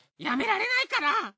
やめられないから！